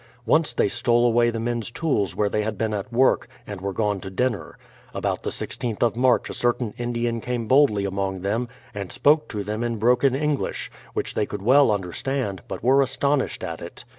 Once they stole away the men's tools where they had been at work, and were gone to dinner. About the i6th of March a certain Indian came boldly among them, and spoke to them in broken English, which they could well understand, but were astonished at it.